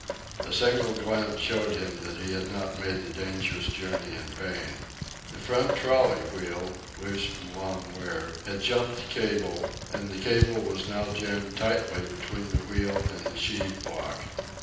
A single glance showed him that he had not made the dangerous journey in vain. The front trolley wheel, loose from long wear, had jumped the cable, and the cable was now jammed tightly between the wheel and the sheave block.